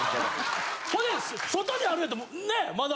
ほんで外にあるんやったらねぇまだ。